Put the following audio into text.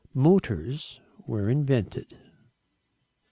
Motors were invented.